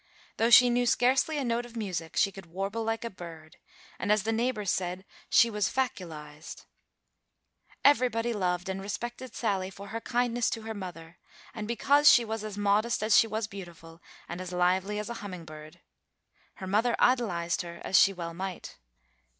Though she knew scarcely a note of music, she could warble like a bird, and, as the neighbors said, "she was faculized." Everybody loved and respected Sally for her kindness to her mother, and because she was as modest as she was beautiful, and as lively as a humming bird. Her mother idolized her, as well she might.